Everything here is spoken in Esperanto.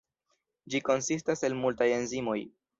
Ĝi konsistas el multaj enzimoj.